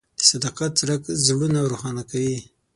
د صداقت څرک زړونه روښانه کوي.